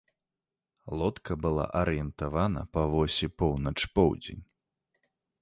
Лодка была арыентавана па восі поўнач-поўдзень.